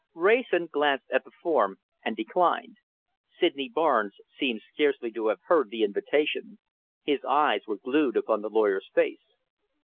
Wrayson glanced at the form and declined. Sydney Barnes seemed scarcely to have heard the invitation. His eyes were glued upon the lawyer's face.